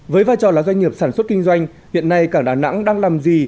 với vai trò là doanh nghiệp sản xuất kinh doanh hiện nay cảng đà nẵng đang làm gì